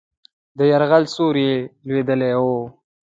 د یرغل سیوری لوېدلی وو.